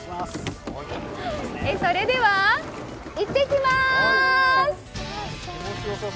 それでは、行ってきまーす！